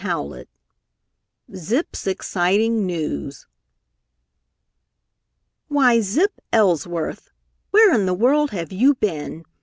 CHAPTER II ZIP'S EXCITING NEWS "Why, Zip Elsworth! Where in the world have you been?